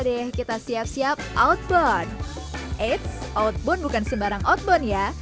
deh kita siap siap outbound eits outbound bukan sembarang outbound ya